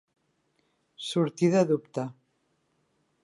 Sortir de dubte.